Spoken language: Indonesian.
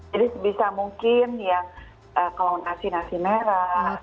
jadi sebisa mungkin yang kalau nasi nasi merah